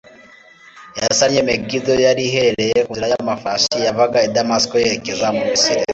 yasannye megido yari iherereye ku nzira y'amafarashi yavaga i damasiko yerekeza mu misiri